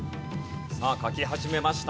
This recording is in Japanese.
さあ書き始めました。